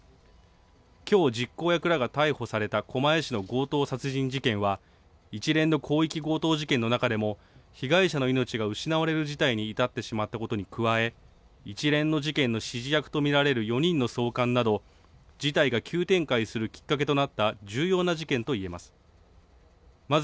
きょう、実行役が逮捕された狛江市の強盗殺人事件は、一連の広域強盗事件の中でも、被害者の命が失われる事態に至ってしまったことに加え、一連の事件の指示役と見られる４人の送還など、事態が急展開するきっかけとなった、重要な事件と言えます。